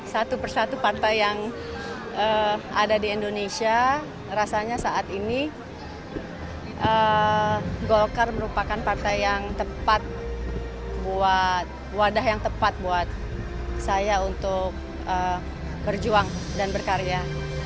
satu satu partai yang ada di indonesia rasanya saat ini golkar merupakan partai yang tepat buat saya untuk berjuang dan berkarya